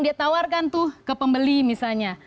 dia tawarkan tuh ke pembeli misalnya